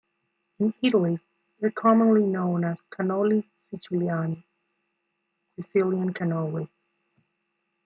In Italy, they are commonly known as "cannoli siciliani", "Sicilian cannoli".